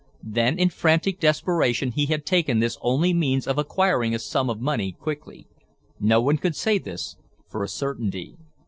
Then in frantic desperation he had taken this only means of acquiring a sum of money quickly. No one could say this for a certainty.